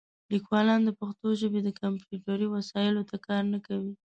لیکوالان د پښتو ژبې د کمپیوټري وسایلو ته کار نه کوي.